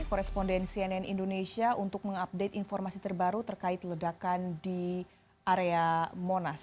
koresponden cnn indonesia untuk mengupdate informasi terbaru terkait ledakan di area monas